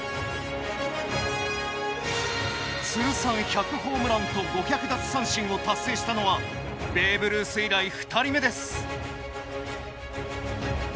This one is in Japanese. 通算１００ホームランと５００奪三振を達成したのはベーブルース以来２人目です。